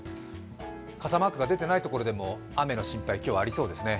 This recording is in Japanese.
傘マークが出ていないところでも雨の心配、今日はありそうですね。